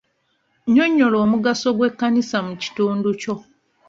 Nnyonyola omugaso gw'ekkanisa mu kitundu.